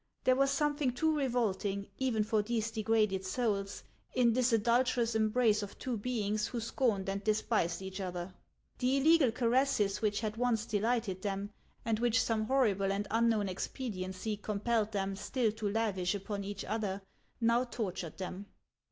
There was something too revolting, even for these degraded souls, in this adulterous embrace of two beings who scorned and despised each other. The illegal caresses which had once delighted them, and which some horrible and unknown expediency compelled them still to lavish upon each other, now tortured them.